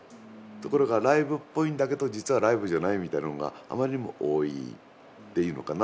ところがライブっぽいんだけど実はライブじゃないみたいなのがあまりにも多いっていうのかな。